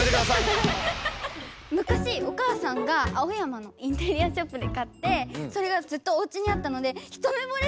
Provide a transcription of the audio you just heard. むかしお母さんが青山のインテリアショップで買ってそれがずっとおうちにあったので一目ぼれしちゃったんですよ。